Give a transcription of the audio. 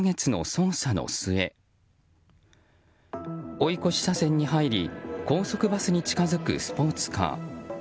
追い越し車線に入り高速バスに近づくスポーツカー。